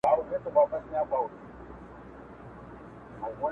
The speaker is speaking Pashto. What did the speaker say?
• له تارونو جوړوي درته تورونه -